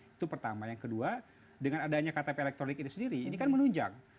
itu pertama yang kedua dengan adanya ktp elektronik ini sendiri ini kan menunjang